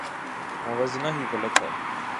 موازنہ ہی غلط ہے۔